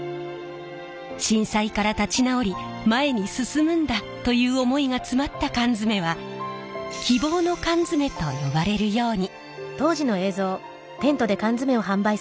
震災から立ち直り前に進むんだという思いが詰まった缶詰は希望の缶詰と呼ばれるように。